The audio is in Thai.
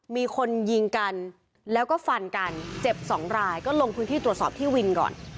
มีคนยิงกันแล้วก็ฟันกันเจ็บสองรายก็ลงพื้นที่ตรวจสอบที่วินก่อน